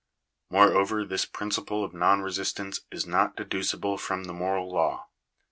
Moreover this principle of non resistance is not deducible from the moral law.